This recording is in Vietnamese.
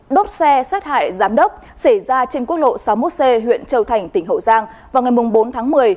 đốt xe sát hại giám đốc xảy ra trên quốc lộ sáu mươi một c huyện châu thành tỉnh hậu giang vào ngày bốn tháng một mươi